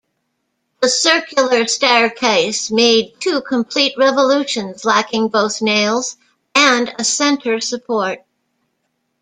The circular staircase made two complete revolutions lacking both nails and a center support.